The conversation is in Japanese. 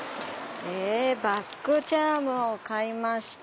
バッグチャームを買いました。